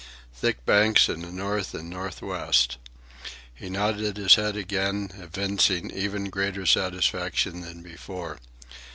"Thick banks in the north and north west." He nodded his head again, evincing even greater satisfaction than before.